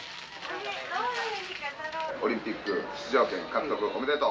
オリンピック出場権獲得おめでとう。